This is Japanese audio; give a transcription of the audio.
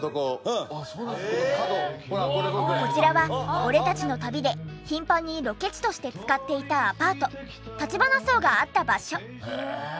こちらは『俺たちの旅』で頻繁にロケ地として使っていたアパートたちばな荘があった場所。